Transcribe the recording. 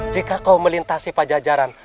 jika kau melintasi pejajaran